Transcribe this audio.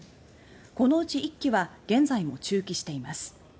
このうち１機は現在も駐機しています。